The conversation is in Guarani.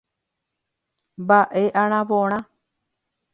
Mba'e aravorã.